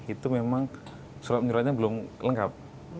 itu memang surat menyuratnya belum lengkap